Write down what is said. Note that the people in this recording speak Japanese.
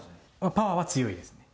パワーは強いですね